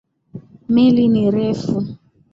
Meli ni refu.